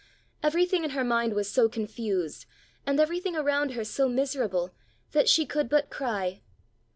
Everything in her mind was so confused, and everything around her so miserable, that she could but cry.